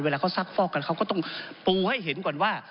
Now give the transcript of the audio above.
เวลาเขาซักฟอกกันเขาก็ต้องปูให้เห็นก่อนว่า